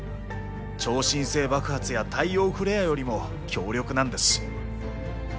超新星爆発や太陽フレアよりも強力なんです。